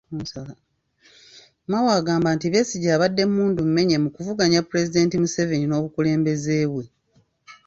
Mao agamba nti Besigye abadde mmundu mmenye mu kuvuganya Pulezidenti Museveni n’obukulembeze bwe.